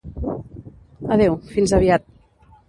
Adeu, fins aviat.